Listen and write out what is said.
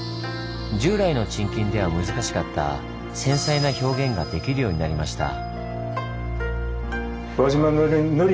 従来の沈金では難しかった繊細な表現ができるようになりました。